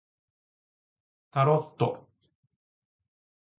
タロット